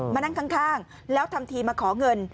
มานั่งข้างแล้วทำทีมาขอเงิน